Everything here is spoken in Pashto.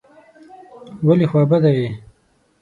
ولي خوابدی یې ؟